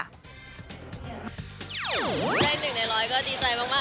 อีจ่ะ